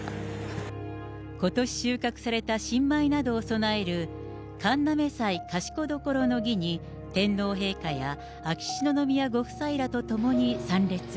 ことし収穫された新米などを供える神嘗祭賢所の儀に天皇陛下や秋篠宮ご夫妻らと共に参列。